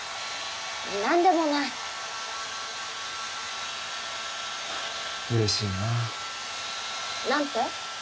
なんでもないうれしいな何て？